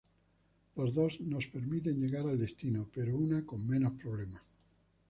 Las dos nos permiten llegar al destino pero una con menos problema.